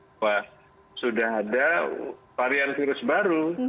bahwa sudah ada varian virus baru